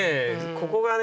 ここがね